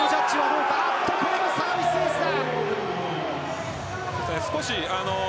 これもサービスエースだ。